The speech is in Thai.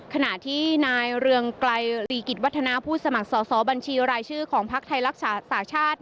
ขณะที่นายเรืองไกลรีกิจวัฒนาผู้สมัครสอบบัญชีรายชื่อของภักดิ์ไทยรักษาชาติ